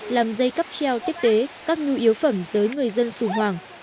làm dây cắp treo tiết tế các nhu yếu phẩm tới người dân sùng hoàng